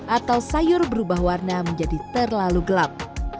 atau sayur berubah warna menjadi terlalu gelap